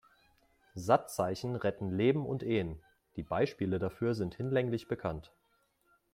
Satzzeichen retten Leben und Ehen, die Beispiele dafür sind hinlänglich bekannt.